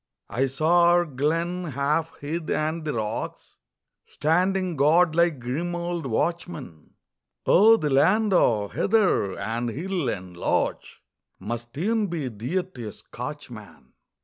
I saw our glen, half hid, and the rocks Standing guard like grim old watchmen. Oh, the land o' heather and hill and loch Must e'en be dear to a Scotchman.